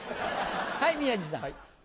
はい宮治さん。